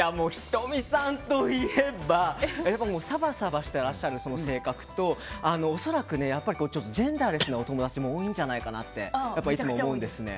仁美さんといえばさばさばしていらっしゃるその性格と恐らくね、ジェンダーレスなお友達も多いんじゃないかなといつも思うんですね。